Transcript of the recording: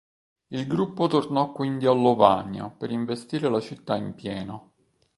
Il gruppo tornò quindi a Lovanio per investire la città in pieno.